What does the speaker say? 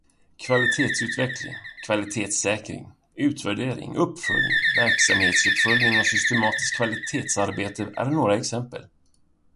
Kvalitetsutveckling, kvalitetssäkring, utvärdering, uppföljning, verksamhetsuppföljning och systematiskt kvalitetsarbete är några exempel.